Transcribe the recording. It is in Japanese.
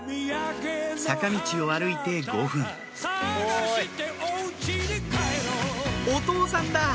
坂道を歩いて５分お父さんだ！